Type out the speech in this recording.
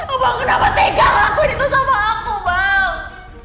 abang kenapa tinggal lakuin itu sama aku bang